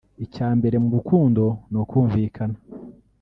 Icya mbere mu rukundo ni ukumvikana